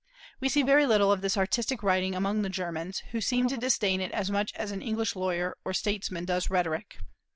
We see very little of this artistic writing among the Germans, who seem to disdain it as much as an English lawyer or statesman does rhetoric.